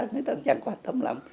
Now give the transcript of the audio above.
người ta cũng chẳng quan tâm lắm